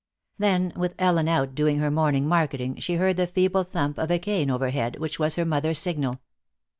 Then, with Ellen out doing her morning marketing, she heard the feeble thump of a cane overhead which was her mother's signal.